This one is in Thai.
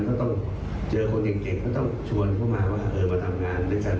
เป็นวันทำไมที่อยู่ภาคเอกชน